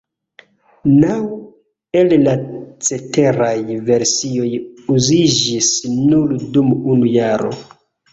Naŭ el la ceteraj versioj uziĝis nur dum unu jaro.